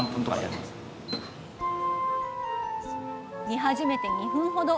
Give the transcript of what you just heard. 煮始めて２分ほど。